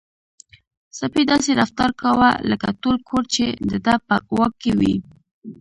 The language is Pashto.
سپی داسې رفتار کاوه لکه ټول کور چې د ده په واک کې وي.